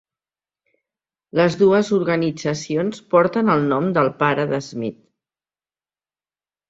Les dues organitzacions porten el nom del pare de Smith.